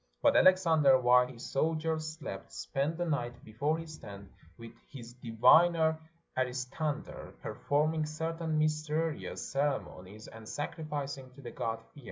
But Alexander, while his soldiers slept, spent the night before his tent 370 THE LAST KING OF PERSIA with his diviner Aristandcr, performing certain mysteri ous ceremonies, and sacrificing to the god Fear.